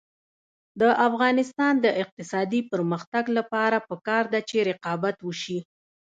د افغانستان د اقتصادي پرمختګ لپاره پکار ده چې رقابت وشي.